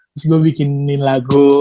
terus gue bikinin lagu